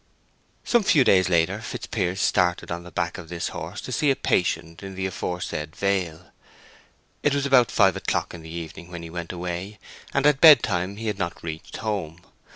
Some few days later, Fitzpiers started on the back of this horse to see a patient in the aforesaid Vale. It was about five o'clock in the evening when he went away, and at bedtime he had not reached home.